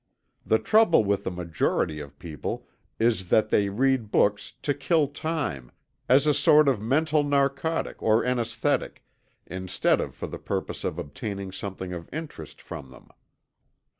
The trouble with the majority of people is that they read books "to kill time," as a sort of mental narcotic or anæsthetic, instead of for the purpose of obtaining something of interest from them.